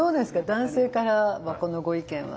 男性からはこのご意見はどう。